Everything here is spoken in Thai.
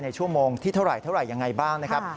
ชั่วโมงที่เท่าไหร่ยังไงบ้างนะครับ